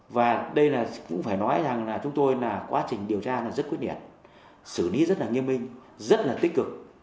và đây cũng phải nói rằng chúng tôi quá trình điều tra rất quyết niệm xử lý rất nghiêm minh rất tích cực